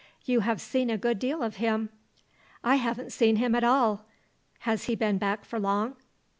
You have seen a good deal of him?" "I haven't seen him at all. Has he been back for long?"